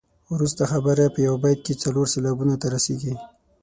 وروسته خبره په یو بیت کې څلور سېلابونو ته رسيږي.